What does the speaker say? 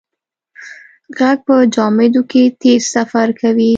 غږ په جامدو کې تېز سفر کوي.